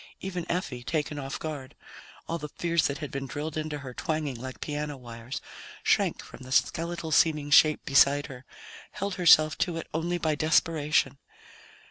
Even Effie taken off guard, all the fears that had been drilled into her twanging like piano wires shrank from the skeletal seeming shape beside her, held herself to it only by desperation.